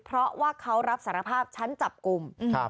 เพราะว่าเขารับสารภาพชั้นจับกลุ่ม